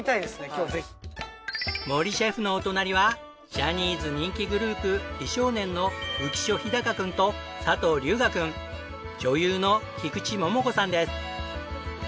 ジャニーズ人気グループ美少年の浮所飛貴くんと佐藤龍我くん女優の菊池桃子さんです。